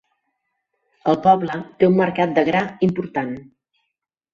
El poble té un mercat de gra important.